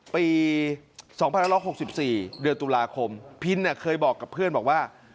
ปีสองพันห้าร้อยหกหกสิบสี่เดือนตุลาคมพินเนี่ยเคยบอกกับเพื่อนบอกว่า